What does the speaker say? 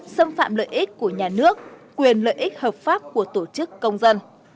xâm phạm lợi ích của nhà nước quyền lợi ích hợp pháp của tổ chức công dân